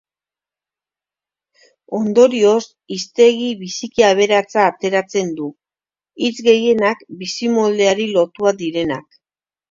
Ondorioz, hiztegi biziki aberatsa ateratzen du, hitz gehienak bizimoldeari lotuak direnak.